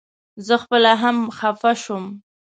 زه خپله هم خپه شوم.